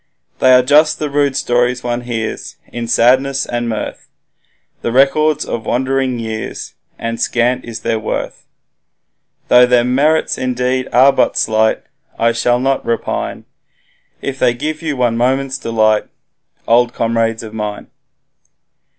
They are just the rude stories one hears In sadness and mirth, The records of wandering years, And scant is their worth Though their merits indeed are but slight, I shall not repine, If they give you one moment's delight, Old comrades of mine.